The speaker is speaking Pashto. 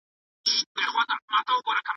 هغه څوک چي ښوونځي ته ځي زدکړه کوي.